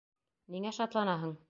Ниңә шатланаһың?